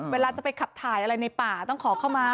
เวลาจะไปขับถ่ายอะไรในป่าต้องขอเข้ามา